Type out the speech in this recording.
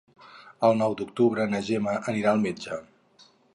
El nou d'octubre na Gemma anirà al metge.